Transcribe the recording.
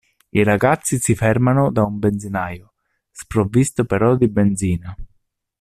I ragazzi si fermano da un benzinaio, sprovvisto però di benzina.